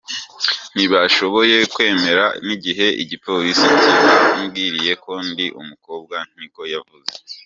"Ntibashoboye kwemera n'igihe igipolisi kibabwiriye ko ndi umukobwa," niko yavuze.